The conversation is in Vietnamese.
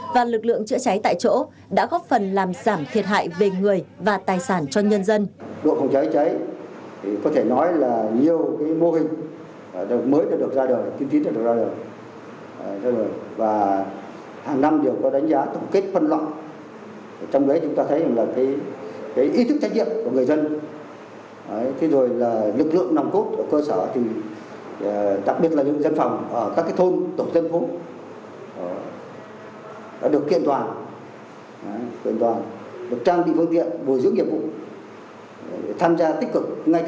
và lực lượng chữa cháy tại chỗ đã góp phần làm giảm thiệt hại về người và tài sản cho nhân dân